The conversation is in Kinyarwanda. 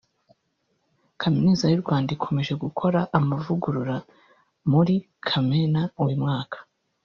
Kaminuza y’u Rwanda ikomeje gukora amavugurura muri Kamena uyu mwaka